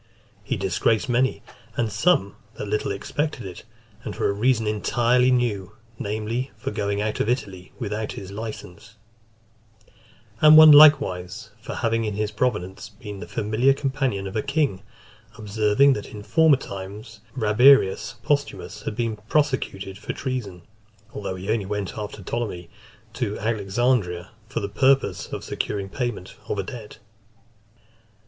He disgraced many, and some that little expected it, and for a reason entirely new, namely, for going out of Italy without his license; (308) and one likewise, for having in his province been the familiar companion of a king; observing, that, in former times, Rabirius Posthumus had been prosecuted for treason, although he only went after Ptolemy to Alexandria for the purpose of securing payment of a debt .